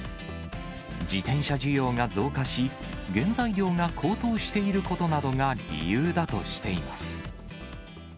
自転車需要が増加し、原材料が高騰していることなどが理由だとしています。